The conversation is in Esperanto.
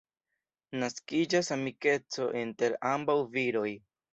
Naskiĝas amikeco inter ambaŭ viroj.